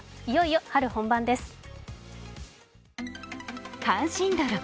いよいよ春本番です。